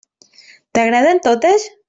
T'agraden totes?